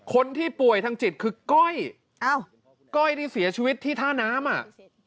คนที่ป่วยทางจิตคือก้อยอ้าวก้อยที่เสียชีวิตที่ท่าน้ำอ่ะ